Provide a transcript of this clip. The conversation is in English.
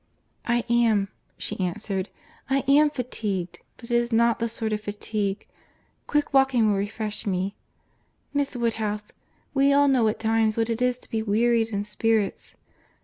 "I am,"—she answered—"I am fatigued; but it is not the sort of fatigue—quick walking will refresh me.—Miss Woodhouse, we all know at times what it is to be wearied in spirits.